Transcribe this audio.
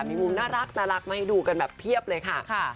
มีมุมน่ารักมาให้ดูกันแบบเพียบเลยค่ะ